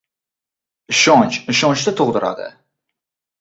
Ishonch ishonchni tug‘diradi.